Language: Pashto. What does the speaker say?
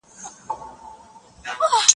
واصله ښایي دغه درې فصله وي بل نه لري